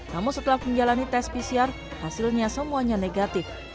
namun setelah menjalani tes pcr hasilnya semuanya negatif